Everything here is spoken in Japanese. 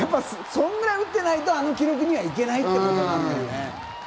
そんぐらい打てないと、あの記録には打てないってことなんだよね。